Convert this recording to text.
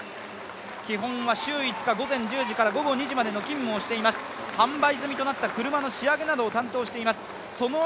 基本は週５日、午前１０時から勤務をしています、販売済みとなった車の仕上げなどを担当しています。